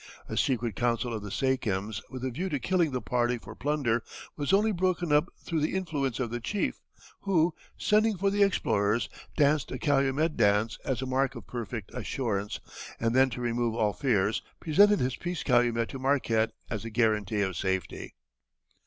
A secret council of the sachems with a view to killing the party for plunder was only broken up through the influence of the chief, who, sending for the explorers, danced a calumet dance as a mark of perfect assurance, and then to remove all fears, presented his peace calumet to Marquette as a guarantee of safety.